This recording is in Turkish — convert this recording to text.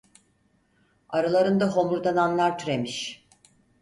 Aralarında homurdananlar türemiş.